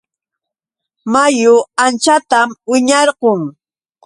Mayu anchatam wiñarqun.